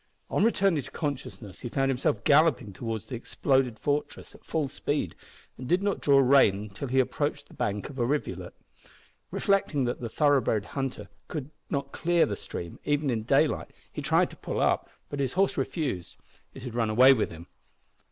On returning to consciousness he found himself galloping towards the exploded fortress at full speed, and did not draw rein till he approached the bank of the rivulet. Reflecting that a thoroughbred hunter could not clear the stream, even in daylight, he tried to pull up, but his horse refused. It had run away with him.